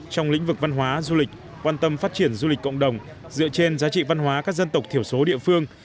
trong lĩnh vực văn hóa du lịch quan tâm phát triển du lịch cộng đồng dựa trên giá trị văn hóa các dân tộc thiểu số địa phương